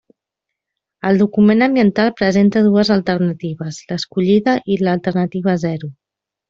El document ambiental presenta dues alternatives, l'escollida i l'alternativa zero.